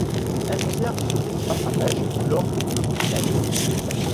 Elle conserve son titre face à Paige lors de Hell in a Cell.